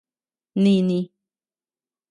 Nini.